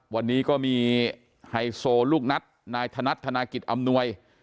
วันนี้ก็มีไฮโซลูกนัดนายธนัดธนากิจอำนวย